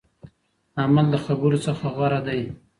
عمل د خبرو څخه غوره دی.